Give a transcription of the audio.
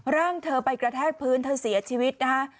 ร่างเธอไปกระแทกพื้นเธอเสียชีวิตนะคะ